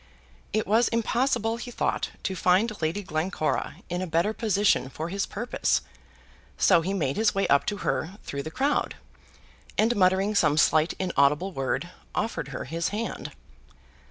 It was impossible, he thought, to find Lady Glencora in a better position for his purpose, so he made his way up to her through the crowd, and muttering some slight inaudible word, offered her his hand.